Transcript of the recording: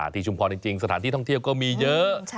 ชุมพรจริงสถานที่ท่องเที่ยวก็มีเยอะ